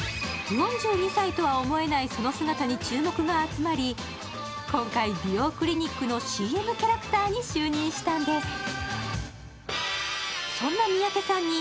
４２歳とは思えないその姿に注目が集まり、今回、美容クリニックのＣＭキャラクターに就任したんです。